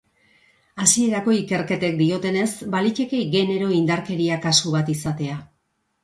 Hasierako ikerketek diotenez, baliteke genero indarkeria kasu bat izatea.